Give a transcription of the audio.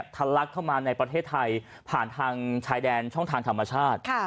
ลักเข้ามาในประเทศไทยผ่านทางชายแดนช่องทางธรรมชาติ